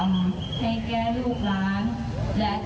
ให้แกล้ลูกร้าน